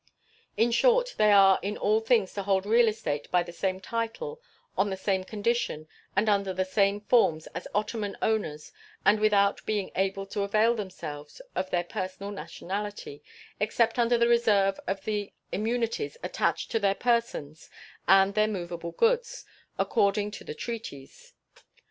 In short, they are in all things to hold real estate by the same title, on the same condition, and under the same forms as Ottoman owners, and without being able to avail themselves of their personal nationality, except under the reserve of the immunities attached to their persons and their movable goods, according to the treaties.